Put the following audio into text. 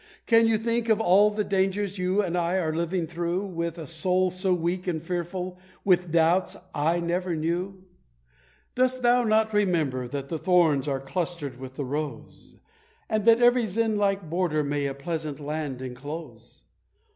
Can you think of all the dangers you and I are living through With a soul so weak and fearful, with the doubts I never knew? Dost thou not remember that the thorns are clustered with the rose, And that every Zin like border may a pleasant land enclose?